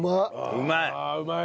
うまい！